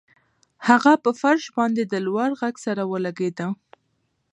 هغه په فرش باندې د لوړ غږ سره ولګیده